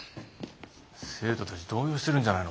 生徒たち動揺してるんじゃないのか？